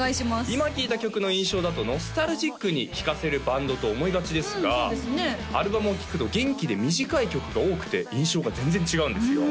今聴いた曲の印象だとノスタルジックに聴かせるバンドと思いがちですがアルバムを聴くと元気で短い曲が多くて印象が全然違うんですよ